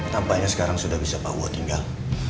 tampaknya sekarang sudah bisa pao tinggal